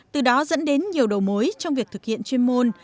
từ đó dẫn đến nhiều đầu mối trong việc thực hiện chuyên môn